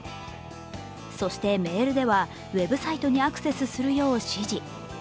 そしてメールではウェブサイトにアクセスするよう指示。